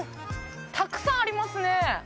たくさんありますね。